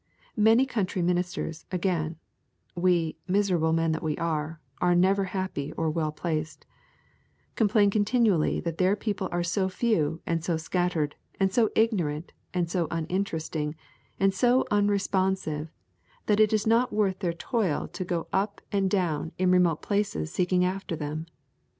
Many country ministers again, we, miserable men that we are, are never happy or well placed, complain continually that their people are so few, and so scattered, and so ignorant, and so uninteresting, and so unresponsive, that it is not worth their toil to go up and down in remote places seeking after them.